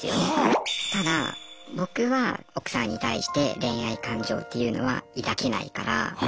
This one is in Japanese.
ただ僕は奥さんに対して恋愛感情っていうのは抱けないから。